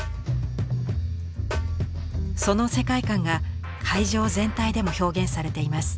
その世界観が会場全体でも表現されています。